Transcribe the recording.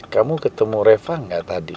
kamu ketemu reva nggak tadi